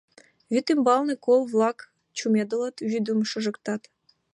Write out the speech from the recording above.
Вӱд ӱмбалне кол-влак чумедылыт, вӱдым шыжыктат.